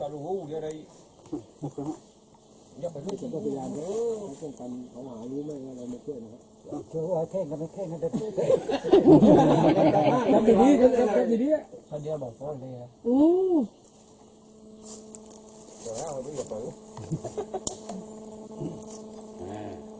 รัฐ